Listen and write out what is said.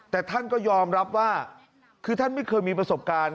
แต่ท่านก็ยอมรับว่าคือท่านไม่เคยมีประสบการณ์